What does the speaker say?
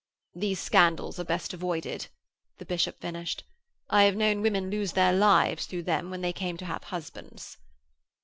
'These scandals are best avoided,' the bishop finished. 'I have known women lose their lives through them when they came to have husbands.'